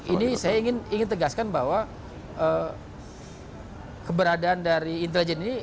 ini saya ingin tegaskan bahwa keberadaan dari intelijen ini